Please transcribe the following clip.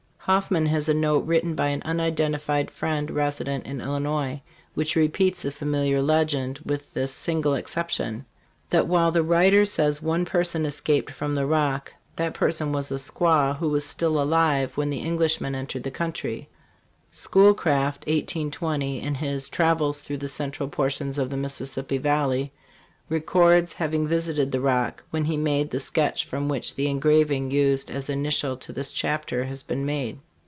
Hoffman has a note, written by an unidentified friend resident in Illinois, which repeats the famil iar legend, with this single exception, that while the writer says one person escaped from the Rock, that person was a squaw, who was still alive when the Englishmen entered the country. Schoolcraft (1820), in his "Travels through the Central Portions of the Mississippi Valley," records having visited the Rock, when he made the sketch from which the engraving used as initial to this chapter has been made.